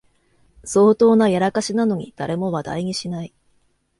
相当なやらかしなのに誰も話題にしない